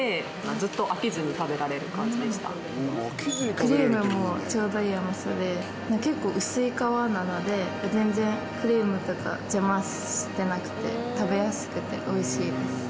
クリームもちょうどいい甘さで結構薄い皮なので全然クリームとか邪魔してなくて食べやすくておいしいです。